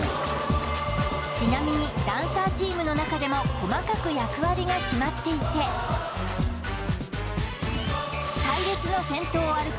ちなみにダンサーチームの中でも細かく役割が決まっていて隊列の先頭を歩く